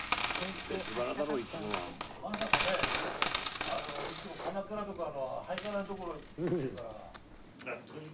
まさかねいつも鎌倉とかハイカラな所行ってるから。